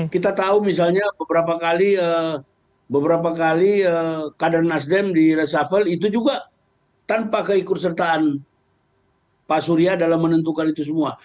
kita tahu misalnya beberapa kali beberapa kali kader nasdem di resafel itu juga tanpa keikut sertaan pak surya dalam menentukan itu semua